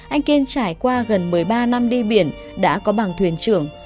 anh kiên trải qua gần một mươi ba năm đi biển đã có bằng thuyền trưởng